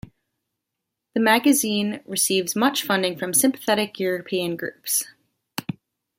The magazine receives much funding from sympathetic European groups.